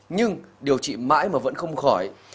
nhưng điều trị mãi mà vẫn không khỏi